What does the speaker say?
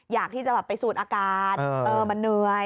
อยากที่จะไปสูดอากาศมันเหนื่อย